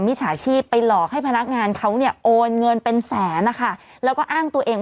ฉาชีพไปหลอกให้พนักงานเขาเนี่ยโอนเงินเป็นแสนนะคะแล้วก็อ้างตัวเอง